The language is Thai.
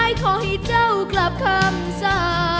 ไอขอให้เจ้ากลับคำหสระ